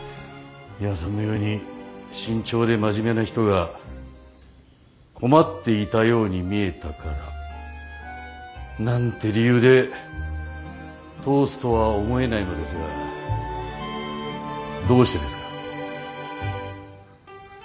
ミワさんのように慎重で真面目な人が困っていたように見えたからなんて理由で通すとは思えないのですがどうしてですか？